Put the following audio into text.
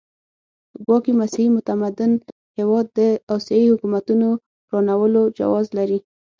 ګواکې مسیحي متمدن هېواد د اسیایي حکومتونو ورانولو جواز لري.